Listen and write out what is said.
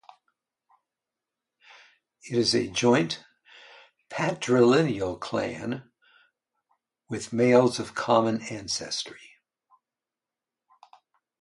It is a joint patrilineal clan with males of common ancestry.